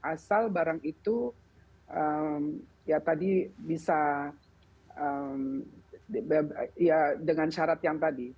asal barang itu ya tadi bisa ya dengan syarat yang tadi